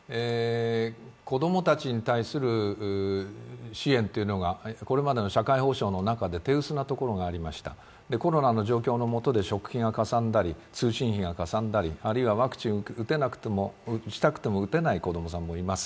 子供たちに対する支援というのがこれまでの社会保障の中で手薄なところがありました、コロナの状況の下で、食費がかさんだり通信費がかさんだり、ワクチンを打ちたくても打てない子供さんもいます。